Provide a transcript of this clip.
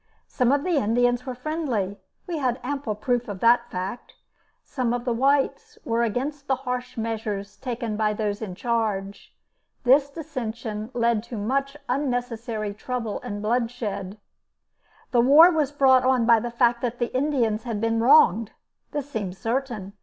Some of the Indians were friendly; we had ample proof of that fact. Some of the whites were against the harsh measures taken by those in charge. This dissension led to much unnecessary trouble and bloodshed. [Illustration: The blockhouse, a haven of safety.] The war was brought on by the fact that the Indians had been wronged. This seems certain.